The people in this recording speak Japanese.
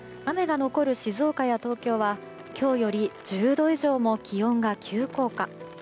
雨が残る静岡や東京は今日より１０度以上も気温が急降下。